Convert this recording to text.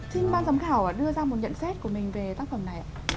xin ban giám khảo đưa ra một nhận xét của mình về tác phẩm này ạ